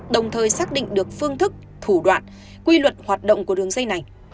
đồng thời xác định được phương thức thủ đoạn quy luật hoạt động của đường dây này